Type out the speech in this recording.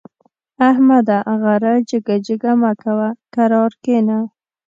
احمده! غره جګه جګه مه کوه؛ کرار کېنه.